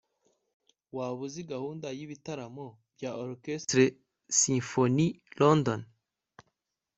waba uzi gahunda y'ibitaramo bya orchestre symphony london